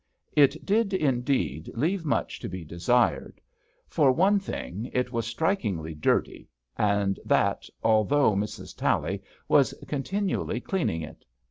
It did, indeed, leave much to be desired. For one thing, it was strikingly dirty, and that although Mrs. Tally was 58 MRS. TALLY continually cleaning it.